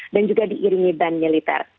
dan juga diiringi band militer